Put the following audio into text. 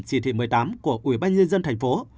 chỉ thị một mươi tám của ubnd tp